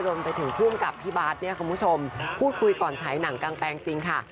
รวมไปถึงภูมิกับพี่บาทเนี่ยคุณผู้ชมพูดคุยก่อนฉายหนังกางแปลงจริงค่ะ